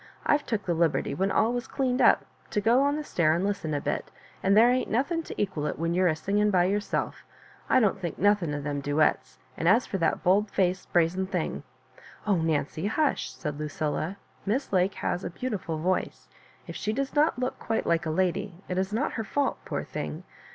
I've took the liberty, when all was cleaned up, to go on the stair and listen a bit, and there ain't nothing to equal it when you're a singing by ^ yourself. I don^t think nothing of them duets — and as for that bold faced brazen thing ^" "Oh, Nancy, hush!" said Lucilla; Miss Lake has a beautiful voice. If she does not look quite like a lady, it is not her fault, poor thing.